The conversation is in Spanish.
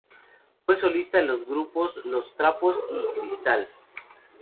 Fue solista en los grupos Los Trapos y Cristal.